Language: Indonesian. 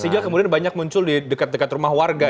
sehingga kemudian banyak muncul di dekat dekat rumah warga